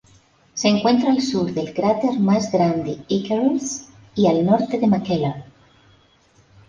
Se encuentra al sur del cráter más grande Icarus, y al norte de McKellar.